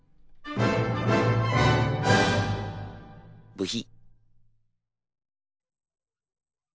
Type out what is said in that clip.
ブヒ。